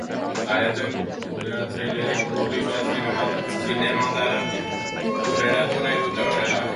Aretoen kudeatzaileek publikoa zinemetara hurreratu nahi dute horrela.